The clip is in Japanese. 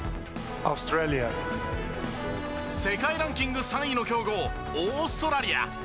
世界ランキング３位の強豪オーストラリア。